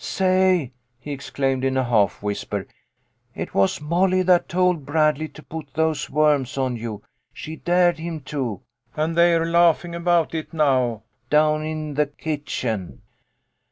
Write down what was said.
" Say !" he exclaimed in a half whisper, "it was Molly that told Bradley to put those worms on you. She dared him to, and they're laughing about it now, down in the kitchen."